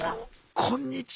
こんにちは。